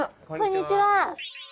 こんにちは。